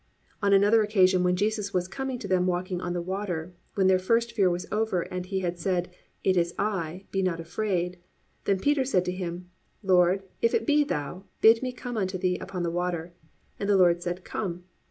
On another occasion when Jesus was coming to them walking on the water, when their first fear was over and He had said, "It is I, be not afraid," then Peter said to Him, "Lord, if it be thou, bid me come unto thee upon the water." And the Lord said, "Come."